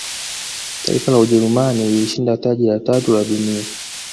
taifa la ujerumani lilishinda taji la tatu la dunia